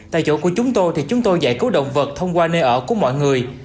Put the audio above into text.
tại chỗ của chúng tôi thì chúng tôi giải cứu động vật thông qua nơi ở của mọi người